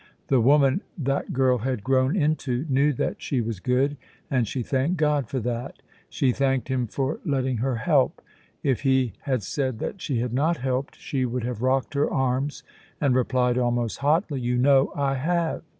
The woman that girl had grown into knew that she was good, and she thanked God for that. She thanked Him for letting her help. If He had said that she had not helped, she would have rocked her arms and replied almost hotly: "You know I have."